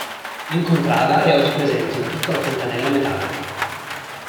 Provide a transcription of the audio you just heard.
In contrada è oggi presente una piccola fontanella metallica.